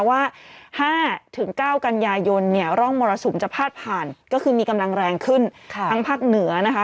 ว่า๕๙กันยายนเนี่ยร่องมรสุมจะพาดผ่านก็คือมีกำลังแรงขึ้นทั้งภาคเหนือนะคะ